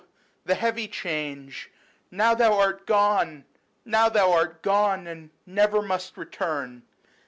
the heavy change, now thou art gone, Now thou art gone and never must return